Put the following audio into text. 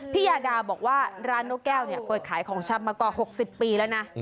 ยาดาบอกว่าร้านนกแก้วเนี่ยเคยขายของชำมากว่า๖๐ปีแล้วนะ